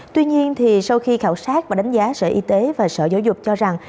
tuy nhiên sau khi khảo sát và đánh giá sở y tế và sở giáo dục cho rằng